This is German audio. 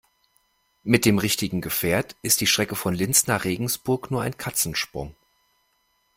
Mit dem richtigen Gefährt ist die Strecke von Linz nach Regensburg nur ein Katzensprung.